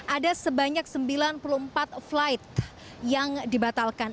ada sebanyak sembilan puluh empat flight yang dibatalkan